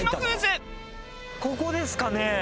ここですかね？